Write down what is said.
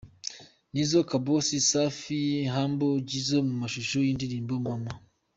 Nizzo Kabosi, Safi na Humble Jizzo mu mashusho y’indirimbo Mama